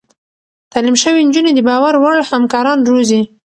تعليم شوې نجونې د باور وړ همکاران روزي.